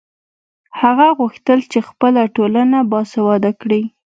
هغه غوښتل چې خپله ټولنه باسواده کړي.